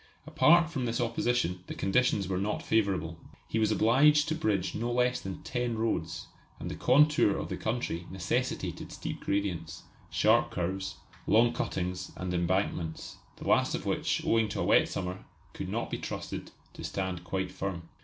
Apart from this opposition the conditions were not favourable. He was obliged to bridge no less than ten roads; and the contour of the country necessitated steep gradients, sharp curves, long cuttings and embankments, the last of which, owing to a wet summer, could not be trusted to stand quite firm.